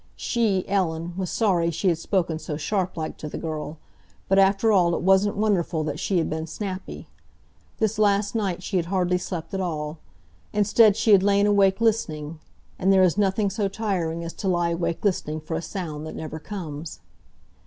She, Ellen, was sorry she had spoken so sharp like to the girl, but after all it wasn't wonderful that she had been snappy. This last night she had hardly slept at all. Instead, she had lain awake listening—and there is nothing so tiring as to lie awake listening for a sound that never comes.